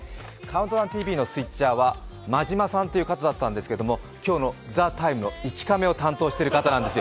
「ＣＤＴＶ」のスイッチャーはマジマさんという方なんですが今日の「ＴＨＥＴＩＭＥ，」の１カメを担当してる方なんですよ。